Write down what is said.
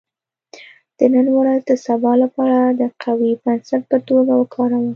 • د نن ورځ د سبا لپاره د قوي بنسټ په توګه وکاروه.